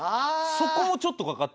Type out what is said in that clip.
そこもちょっと掛かってる。